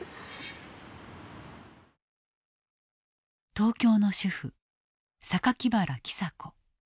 東京の主婦原喜佐子。